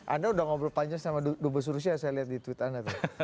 anda sudah ngobrol panjang sama dubes rusia yang saya lihat di tweet anda